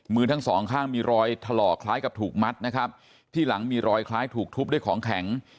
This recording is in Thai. มือทั้งสองข้างมีรอยถลอกคล้ายกับถูกมัดนะครับที่หลังมีรอยคล้ายถูกทุบด้วยของแข็ง